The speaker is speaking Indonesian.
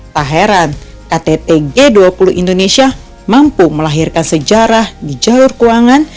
tak heran ktt g dua puluh indonesia mampu melahirkan sejarah di jalur keuangan